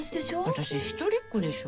私、一人っ子でしょ？